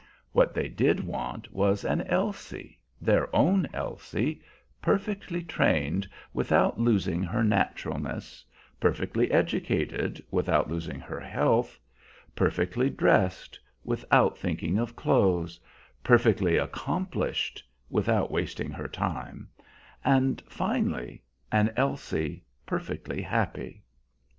What they did want was an Elsie their own Elsie perfectly trained without losing her naturalness, perfectly educated without losing her health, perfectly dressed without thinking of clothes, perfectly accomplished without wasting her time, and, finally, an Elsie perfectly happy.